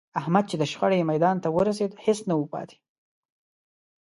احمد چې د شخړې میدان ته ورسېد، هېڅ نه و پاتې